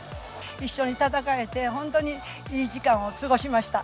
一緒に戦えて、本当にいい時間を過ごしました。